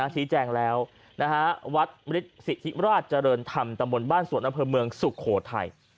ชี้แจงแล้ววัดมฤทธิราชเจริญธรรมตำบลบ้านสวนอำเภอเมืองสุโขทัย